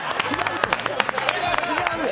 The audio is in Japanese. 違うよ。